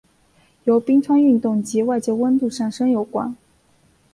由冰川运动及外界温度上升有关。